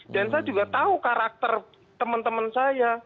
dan saya juga tahu karakter teman teman saya